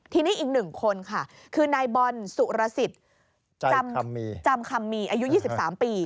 ทีนี้อีก๑คนค่ะคือนายบอลสุรสิทธิ์จำคำมีอายุ๒๓ปี